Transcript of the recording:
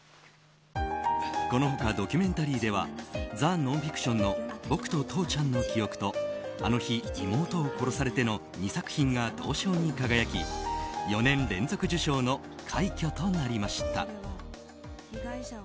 この他、ドキュメンタリーでは「ザ・ノンフィクション」の「ボクと父ちゃんの記憶」と「あの日妹を殺されて」の２作品が銅賞に輝き４年連続受賞の快挙となりました。